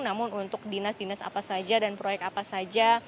namun untuk dinas dinas apa saja dan proyek apa saja